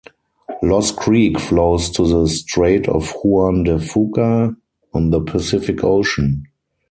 Loss Creek flows to the Strait of Juan de Fuca on the Pacific Ocean.